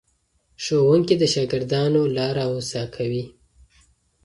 ښوونکي د شاګردانو لاره هوسا کوي.